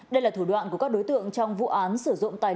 đây là thủ đoạn của các đối tượng trong vụ án sử dụng tài sản